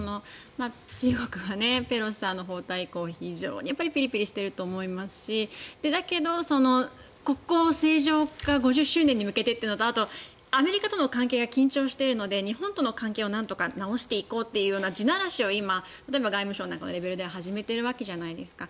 中国はペロシさんの訪台以降非常にピリピリしていると思いますしだけど国交正常化５０周年に向けてというのとあと、アメリカとの関係が緊張しているのと日本との関係をなんとか直していこうという地ならしを今、例えば外務省なんかのレベルでは始めているわけじゃないですか。